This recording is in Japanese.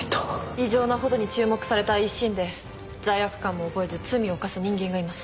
異常なほどに注目されたい一心で罪悪感も覚えず罪を犯す人間がいます。